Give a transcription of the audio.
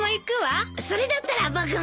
それだったら僕も。